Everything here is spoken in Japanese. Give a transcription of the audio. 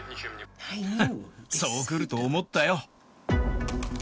そうくると思ったよ。